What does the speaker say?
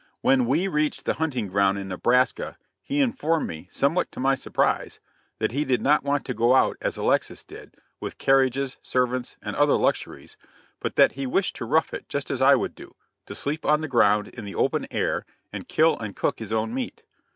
When we reached the hunting ground in Nebraska, he informed me, somewhat to my surprise, that he did not want to go out as Alexis did, with carriages, servants, and other luxuries, but that he wished to rough it just as I would do to sleep on the ground in the open air, and kill and cook his own meat.